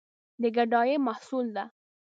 د ګدايي محصول ده.